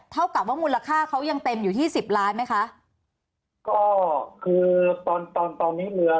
เท่ากับว่ามูลค่าเขายังเต็มอยู่ที่สิบล้านไหมคะก็คือตอนตอนตอนนี้เรือ